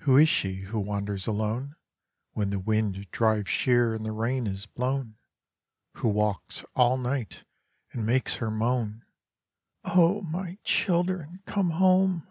II Who is she who wanders alone, When the wind drives sheer and the rain is blown? Who walks all night and makes her moan, "O my children, come home!"